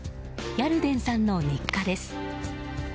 ヤルデンさんの日課です。